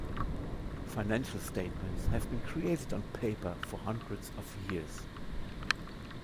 Financial statements have been created on paper for hundreds of years.